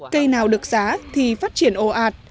cây nào được giá thì phát triển ồ ạt